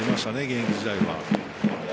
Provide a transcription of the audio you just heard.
現役時代は。